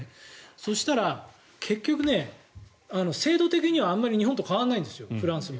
そしたら、結局、制度的にはあまり日本と変わらないんですフランスも。